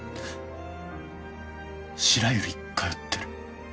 白百合通ってる。